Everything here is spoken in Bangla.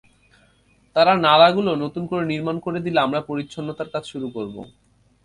তারা নালাগুলো নতুন করে নির্মাণ করে দিলে আমরা পরিচ্ছন্নতার কাজ শুরু করব।